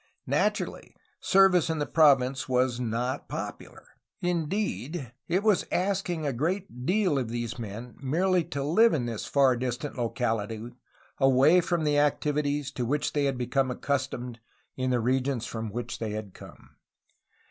Naturally, service in the province was not popular; indeed, it was asking a great deal of these men merely to live in this far distant locality, away from the activities to which they had been accustomed in the regions from which they had come.